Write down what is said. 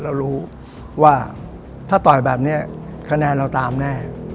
เรารู้ว่าถ้าต่อยแบบนี้คะแนนเราตามแน่